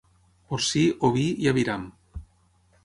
Porcí, oví i aviram.